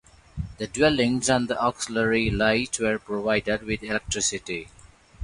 The dwellings and the auxiliary light were provided with electricity.